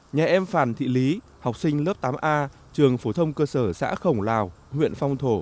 nhà em phan thị lý học sinh lớp tám a trường phổ thông cơ sở xã khổng lào huyện phong thổ